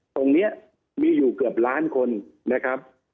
ตรงนี้มีอยู่เกือบล้านคนนะครับ